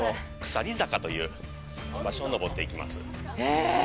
鎖坂という場所を登っていきます。